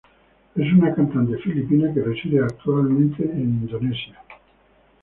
Es una cantante filipina que reside actualmente en indonesia.